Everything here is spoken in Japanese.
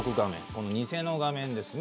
この偽の画面ですね。